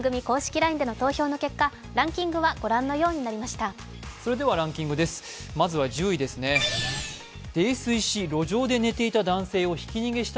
ＬＩＮＥでの投票の結果ランキングはご覧のようになりました。